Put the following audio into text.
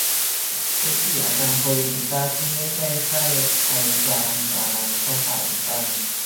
เช็ก สี่ อาการโควิด สิบเก้า ที่ไม่ใช่ไข้ ไอ จาม มีอะไรเข้าข่ายอีกบ้าง